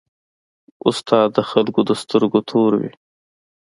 استاد د خلکو د سترګو تور وي.